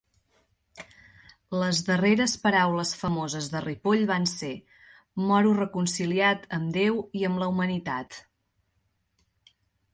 Les darreres paraules famoses de Ripoll van ser: "moro reconciliat amb deu i amb la humanitat".